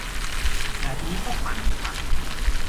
แบบนี้ก็ 'ปั่น' ป่ะ ?